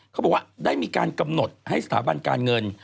เขาบอกว่าได้มีการกำหนดให้สถาบันการเงิน